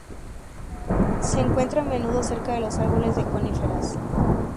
Se encuentra a menudo cerca de los árboles de coníferas.